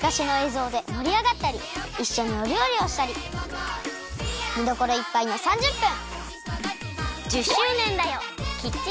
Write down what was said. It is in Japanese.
ぞうでもりあがったりいっしょにおりょうりをしたりみどころいっぱいの３０分！